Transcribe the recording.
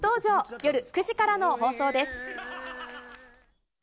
夜９時からの放送です。